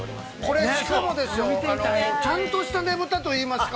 ◆これ、しかもですよ、ちゃんとしたねぶたといいますか。